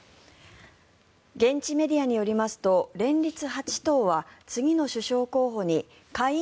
現地メディアによりますと連立８党は次の首相候補に下院